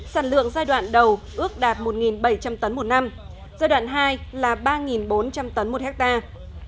sản lượng giai đoạn đầu ước đạt một bảy trăm linh tấn một năm giai đoạn hai là ba bốn trăm linh tấn một hectare